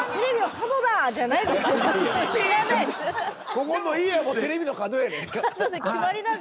ここの家はもうテレビの角やねん。